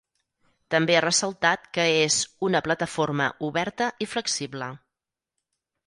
També ha ressaltat que és "una plataforma oberta i flexible".